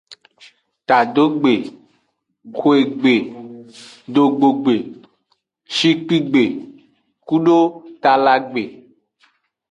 Tadogbe, hwegbe, dogbogbe, shikpigbe kudo talagbe.